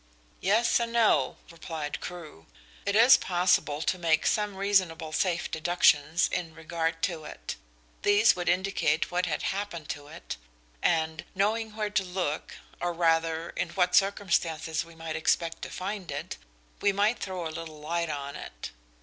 "Yes and no," replied Crewe. "It is possible to make some reasonable safe deductions in regard to it. These would indicate what had happened to it, and knowing where to look, or, rather, in what circumstances we might expect to find it, we might throw a little light on it.